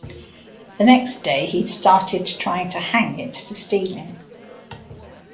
The next day, he started trying to hang it for stealing.